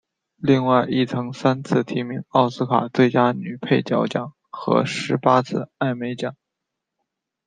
另外亦曾三次提名奥斯卡最佳女配角奖和十八次艾美奖。